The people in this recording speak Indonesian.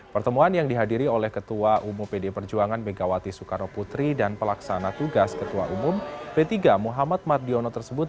pertemuan yang dihadiri oleh ketua umum pd perjuangan megawati soekarno putri dan pelaksana tugas ketua umum p tiga muhammad mardiono tersebut